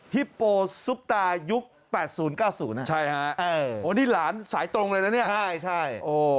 ฮิโปซุปตายุค๘๐๙๐ใช่นี่หลานสายตรงเลยนะใช่ใช่